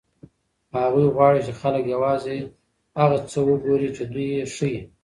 هغوی غواړي چې خلک یوازې هغه څه وګوري چې دوی یې ښيي.